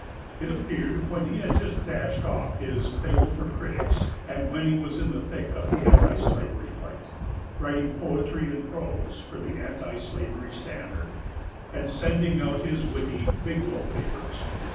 It appeared when he had just dashed off his Fable for Critics, and when he was in the thick of the anti slavery fight, writing poetry and prose for The Anti Slavery Standard, and sending out his witty Biglow Papers.